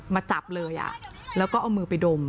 มาจับเลยแล้วก็เอามือไปดม